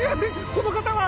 この方は？